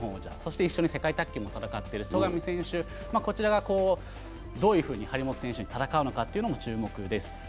一緒に世界卓球も戦っている戸上選手がどういうふうに張本選手に戦うかも注目です。